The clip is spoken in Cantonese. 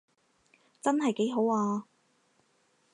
真係幾好啊